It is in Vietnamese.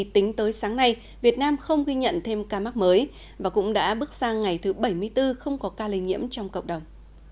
tính tới sáng nay việt nam không ghi nhận thêm ca mắc mới và cũng đã bước sang ngày thứ bảy mươi bốn không có ca lây nhiễm trong cộng đồng